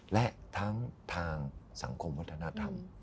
และทั้งทางสังคมวัฒนธรรม